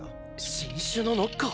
新種のノッカー？